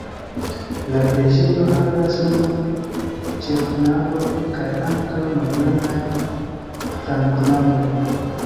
La preĝejo havas unu ĉefnavon kaj ankaŭ malgrandan flankonavon.